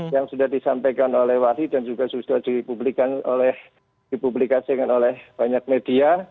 yang sudah disampaikan oleh wasi dan juga sudah dipublikasikan oleh banyak media